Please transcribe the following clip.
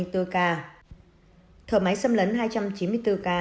thở máy xâm lấn hai trăm chín mươi bốn ca